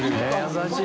優しい。